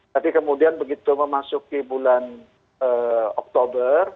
tapi kemudian begitu memasuki bulan oktober